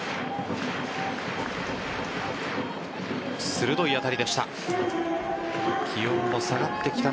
鋭い当たりでした。